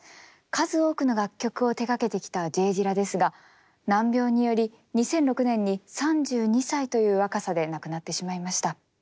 数多くの楽曲を手がけてきたＪ・ディラですが難病により２００６年に３２歳という若さで亡くなってしまいました。